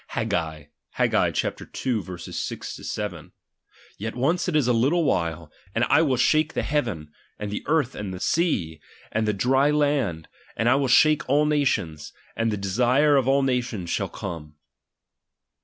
Haggai (Haggai ii. 6 7) : Yet once it is a little while, and I will shake the heaven, and the earth, mid the sea, and the dry land ; and I will shake all nations ; and the de sire of all nations shall come.